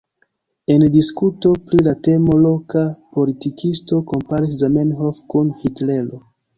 En diskuto pri la temo loka politikisto komparis Zamenhof kun Hitlero.